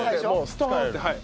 ストーンってはい。